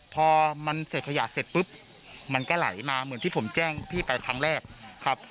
พอมันเสร็จขยะเสร็จปุ๊บมันก็ไหลมาเหมือนที่ผมแจ้งพี่ไปครั้งแรกครับ